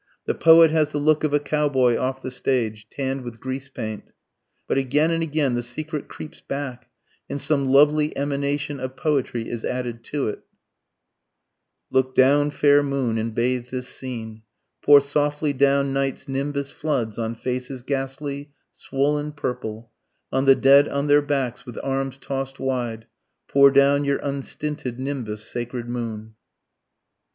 The poet has the look of a cowboy off the stage, tanned with grease paint. But again and again the secret creeps back and some lovely emanation of poetry is added to it: Look down fair moon and bathe this scene, Pour softly down night's nimbus floods on faces ghastly, swollen, purple, On the dead on their backs with arms toss'd wide, Pour down your unstinted nimbus sacred moon.